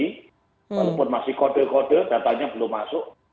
walaupun masih kode kode datanya belum masuk